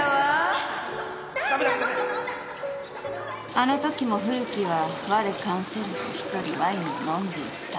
あの時も古木は我関せずと一人ワインを飲んでいた。